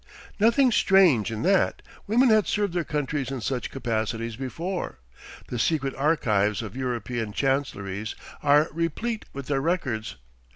Nothing strange in that; women had served their countries in such capacities before; the secret archives of European chancellories are replete with their records.